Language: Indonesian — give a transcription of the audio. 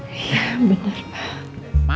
iya bener pa